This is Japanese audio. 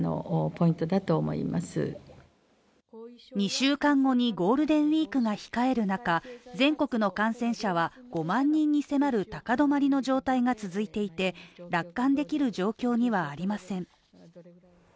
２週間後にゴールデンウィークが控える中、全国の感染者は５万人に迫る高止まりの状態が続いていて、楽観できる状況にはありません